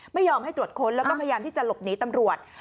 ไม่ยอมให้ตรวจค้นแล้วก็พยายามที่จะหลบหนีตำรวจ